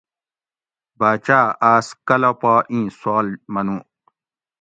باچاۤ آۤس کلہ پا اِیں سوال منو